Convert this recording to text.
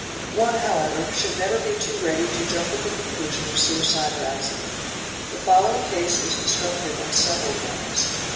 One, however, should never be too ready to jump at the conclusion of suicide or accident. The following case is instructive on several grounds.